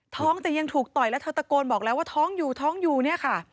ท้องแต่ยังถูกต่อยแล้วเธอตะโกนบอกแล้วว่าท้องอยู่ท้องอยู่เนี่ยค่ะ